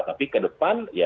tapi ke depan ya